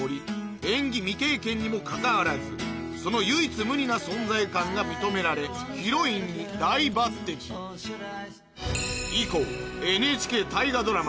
演技未経験にもかかわらずその唯一無二な存在感が認められヒロインに大抜てき以降ＮＨＫ大河ドラマ